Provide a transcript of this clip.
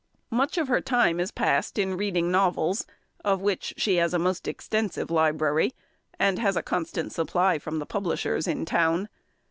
Much of her time is passed in reading novels, of which she has a most extensive library, and has a constant supply from the publishers in town.